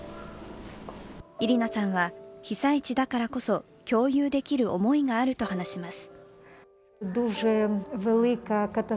イリナさんは、被災地だからこそ共有できる思いがあると話します。